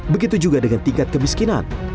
begitu juga dengan tingkat kemiskinan